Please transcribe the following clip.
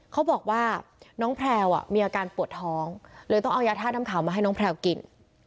เขาบอกว่าน้องแพลวมีอาการปวดท้องเลยต้องเอายาท่าน้ำขาวมาให้น้องแพลวกิน